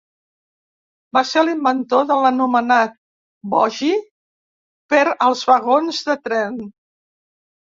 Va ser l'inventor de l'anomenat "bogi" per als vagons de tren.